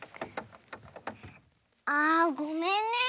あごめんね。